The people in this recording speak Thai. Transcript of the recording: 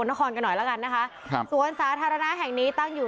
นครกันหน่อยแล้วกันนะคะครับสวนสาธารณะแห่งนี้ตั้งอยู่